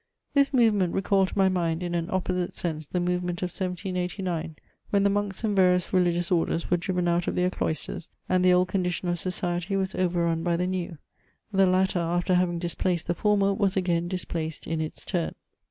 This movement recalled to my mind, in an opposite sense, the movement of 1789, when the monks and various religious orders were driven out of their cloisters, and the old condition of society was overrun by the new; the latter, after having displaced the former, was again displaced in its turn.